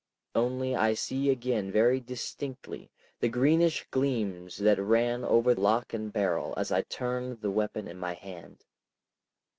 Only I see again very distinctly the greenish gleams that ran over lock and barrel as I turned the weapon in my hand.